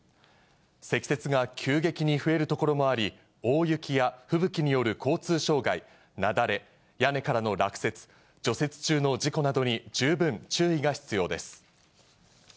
積雪が急激に増える所もあり、大雪や吹雪による交通障害、雪崩、屋根からの落雪、除雪中の事故などに十分注意が必要です。